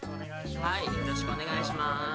よろしくお願いします。